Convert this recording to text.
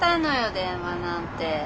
電話なんて。